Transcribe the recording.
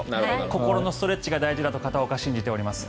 心のストレッチが大事だと片岡、信じております。